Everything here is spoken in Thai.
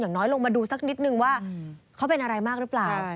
น้อยลงมาดูสักนิดนึงว่าเขาเป็นอะไรมากหรือเปล่า